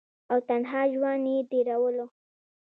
او تنها ژوند ئې تيرولو ۔